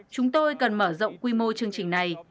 chúng tôi cần mở rộng quy mô chương trình này